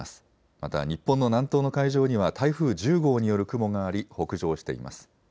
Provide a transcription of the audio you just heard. また日本の南東の海上には台風１０号による雲があり北上しています。